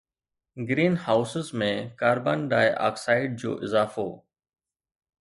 green houses ۾ carbon dioxide جو اضافو